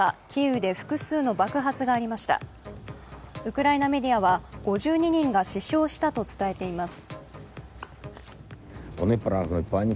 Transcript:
ウクライナメディアは５２人が死傷したと伝えています。